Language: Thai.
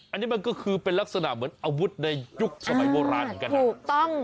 อันนี้มันก็คือเป็นลักษณะเหมือนอาวุธในยุคสมัยโบราณเหมือนกันนะถูกต้อง